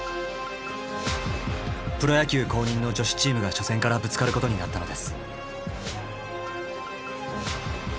プロ野球公認の女子チームが初戦からぶつかることになったのです。